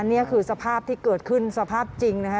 นี่คือสภาพที่เกิดขึ้นสภาพจริงนะคะ